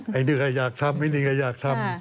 ไอ้นึกไอ้อยากทำไอ้นึกไอ้อยากทำ